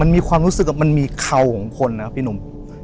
มันมีความรู้สึกว่ามันมีเข่าของคนนะพี่หนุ่ม